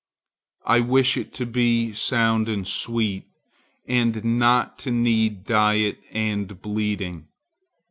I wish it to be sound and sweet, and not to need diet and bleeding.